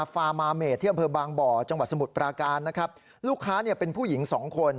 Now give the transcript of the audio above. ฟาร์มาเมดที่อำเภอบางบ่อจังหวัดสมุทรปราการนะครับลูกค้าเนี่ยเป็นผู้หญิงสองคน